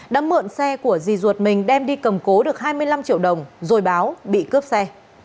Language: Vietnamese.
đã mượn xe của dì ruột mình đem đi cầm cố được hai mươi năm triệu đồng rồi báo bị cướp xe